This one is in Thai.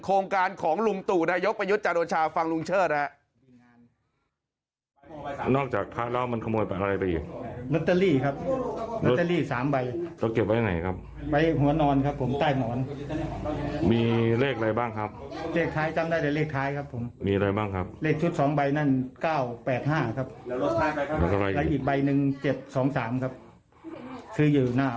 โครงการของลุงตู่นายกประยุทธ์จันโอชาฟังลุงเชิดฮะ